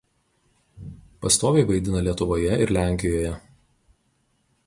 Pastoviai vaidina Lietuvoje ir Lenkijoje.